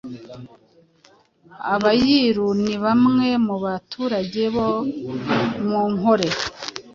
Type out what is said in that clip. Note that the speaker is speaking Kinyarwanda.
Abayiru ni bamwe mu baturage bo mu Nkole,